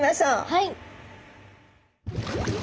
はい。